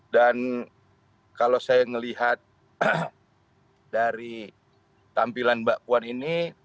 kalau saya melihat dari tampilan mbak puan ini